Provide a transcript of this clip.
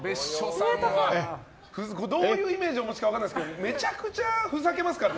どういうイメージをお持ちか分かりませんがめちゃくちゃふざけますからね。